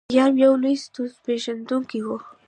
خیام یو لوی ستورپیژندونکی و.